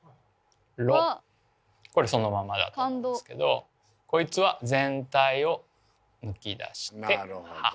「ロ」これそのままだと思うんですけどこいつは全体を抜き出して「ハ」。